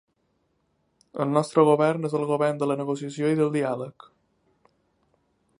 El nostre govern és el govern de la negociació i del diàleg.